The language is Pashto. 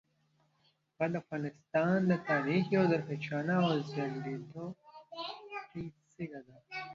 هغه د افغانستان د تاریخ یوه درخشانه او ځلیدونکي څیره ده.